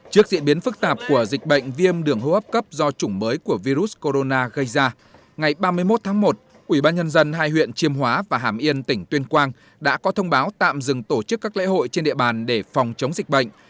trước diễn biến phức tạp của dịch bệnh viêm đường hô hấp cấp do chủng mới của virus corona gây ra ngày ba mươi một tháng một ubnd hai huyện chiêm hóa và hàm yên tỉnh tuyên quang đã có thông báo tạm dừng tổ chức các lễ hội trên địa bàn để phòng chống dịch bệnh